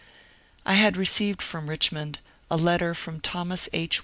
I had received from Richmond a letter from Thomas H.